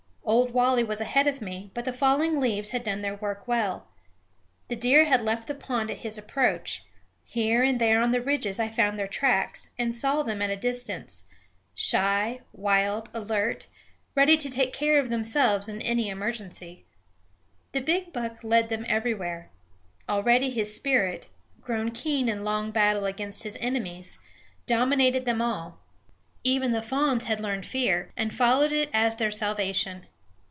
Old Wally was ahead of me; but the falling leaves had done their work well. The deer had left the pond at his approach. Here and there on the ridges I found their tracks, and saw them at a distance, shy, wild, alert, ready to take care of themselves in any emergency. The big buck led them everywhere. Already his spirit, grown keen in long battle against his enemies, dominated them all. Even the fawns had learned fear, and followed it as their salvation.